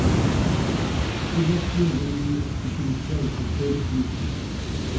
S'évertuer à deviner ce petit mystère était peine inutile.